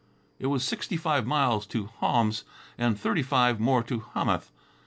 It was sixty five miles to Homs and thirty five more to Hamath.